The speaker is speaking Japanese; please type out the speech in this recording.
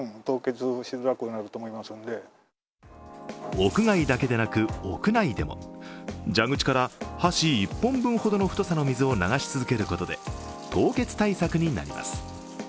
屋外だけでなく屋内でも蛇口から箸１本分ほどの太さの水を流し続けることで凍結対策になります。